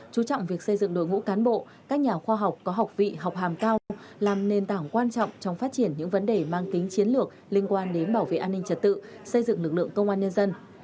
chú trọng việc xây dựng đội ngũ cán bộ các nhà khoa học có học vị học hàm cao làm nền tảng quan trọng trong phát triển những vấn đề mang tính chiến lược liên quan đến bảo vệ an ninh trật tự xây dựng lực lượng công an nhân dân